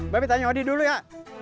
bapak tanya hodi dulu ya